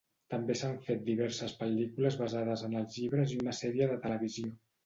També s'han fet diverses pel·lícules basades en els llibres i una sèrie de televisió.